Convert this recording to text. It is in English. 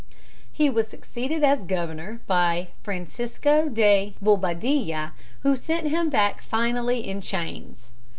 He was succeeded as governor by Francisco de Bobadilla, who sent him back finally in chains.